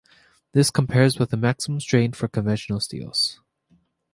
This compares with a maximum strain for conventional steels.